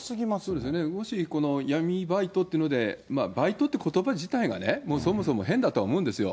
そうですね、もしこの闇バイトっていうので、バイトってことば自体がね、そもそも変だとは思うんですよ。